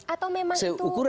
atau memang itu